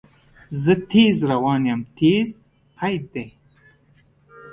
زه تیز روان یم – "تیز" قید دی.